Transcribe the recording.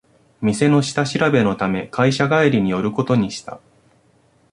店の下調べのため会社帰りに寄ることにした